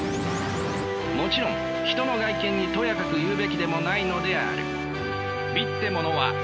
もちろん人の外見にとやかく言うべきでもないのである。